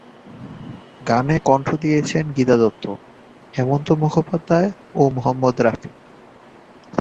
গানে কণ্ঠ দিয়েছেন গীতা দত্ত, হেমন্ত মুখোপাধ্যায়, ও মোহাম্মদ রফি।